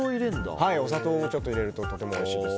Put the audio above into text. お砂糖をちょっと入れるととてもおいしいです。